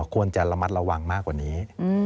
ควรจะระมัดระวังมากกว่านี้